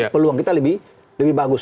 peluang kita lebih bagus